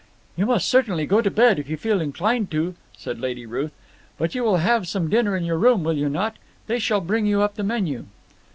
"You must certainly go to bed if you feel inclined to," said Lady Ruth; "but you will have some dinner in your room, will you not? They shall bring you up the menu."